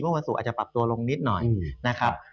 เมื่อมันสูงอาจจะปรับตัวลงนิดหน่อยนะครับ